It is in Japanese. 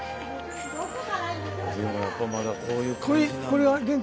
でもやっぱまだこういう感じなんだ。